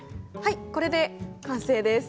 これで完成です。